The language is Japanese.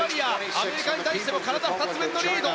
アメリカに対して体２つ分リード。